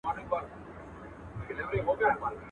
داسي به ډیرو وي پخوا لیدلی.